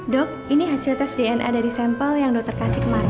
dok ini hasil tes dna dari sampel yang dokter kasih kemarin